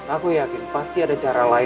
aku yakin pasti kamu akan berhasil